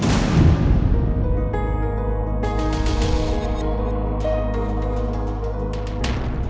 karena dia sudah menangkap riefki